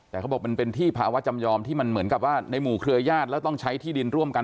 แต่เขาบอกมันเป็นที่ภาวะจำยอมที่มันเหมือนกับว่าในหมู่เครือญาติแล้วต้องใช้ที่ดินร่วมกัน